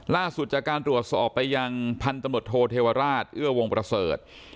ล่าสุดจากการตรวจสอบไปยังพันตำรวจโทเทวราชเอื้อวงประเสริฐ